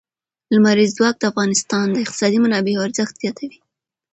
لمریز ځواک د افغانستان د اقتصادي منابعو ارزښت زیاتوي.